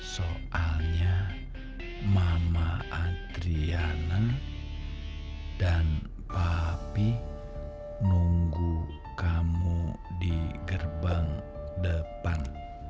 soalnya mama adriana dan papi nunggu kamu di gerbang depan